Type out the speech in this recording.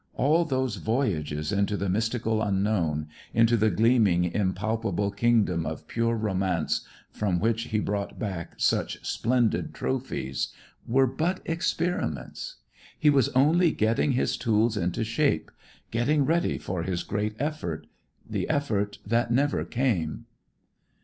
All those voyages into the mystical unknown, into the gleaming, impalpable kingdom of pure romance from which he brought back such splendid trophies, were but experiments. He was only getting his tools into shape getting ready for his great effort, the effort that never came.